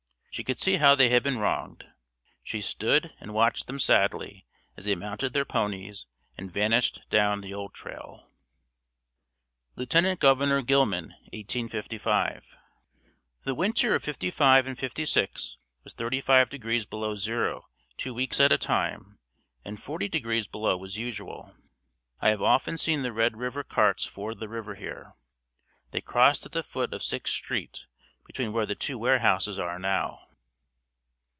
She could see how they had been wronged. She stood and watched them sadly as they mounted their ponies and vanished down the old trail. Lieut. Governor Gilman 1855. The winter of '55 and '56 was thirty five degrees below zero two weeks at a time and forty degrees below was usual. I have often seen the Red River carts ford the river here. They crossed at the foot of Sixth Street between where the two warehouses are now.